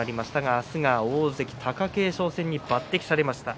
明日は大関貴景勝戦に抜てきされました。